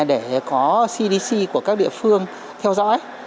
để có cdc của các địa phương theo dõi